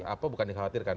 apa bukan dikhawatirkan